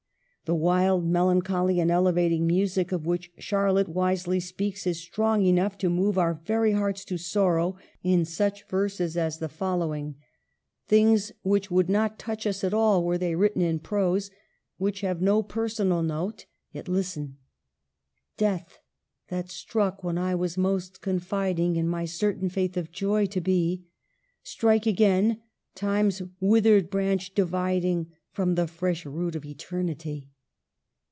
The wild, melancholy, and elevating music of which Charlotte wisely speaks is strong enough to move our very hearts to sorrow in such verses as the following, things which would not touch us at all were they written in prose ; which have no personal note. Yet listen —" Death ! that struck when I was most confiding In my certain faith of joy to be — Strike again, Time's withered branch dividing From the fresh root of Eternity